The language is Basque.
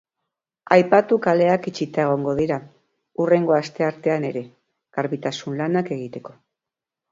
Aipatu kaleak itxita egongo dira hurrengo asteartean ere, garbitasun lanak egiteko.